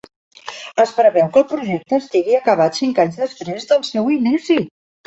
Es preveu que el projecte estigui acabat cinc anys després del seu inici.